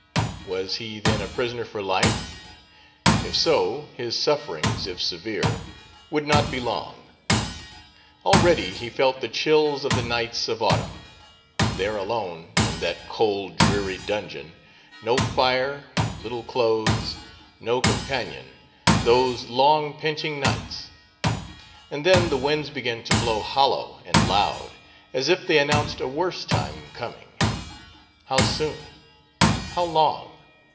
was he then a prisoner for life? If so, his sufferings, if severe, would not be long. Already he felt the chills of the nights of Page 278 autumn, there alone, in that cold, dreary dungeon, no fire, little clothes, no companion, those long, pinching nights. And then the winds began to blow hollow and loud, as if they announced a worse time coming. How soon? How long?